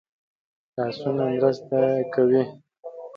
لاسونه مرسته کوي